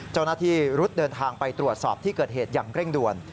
เจ้าหน้าที่รุดเดินทางไปตรวจสอบที่เกิดเหตุอย่างเร่งด่วน